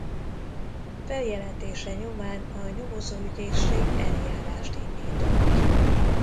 Feljelentése nyomán a Nyomozó Ügyészség eljárást indított.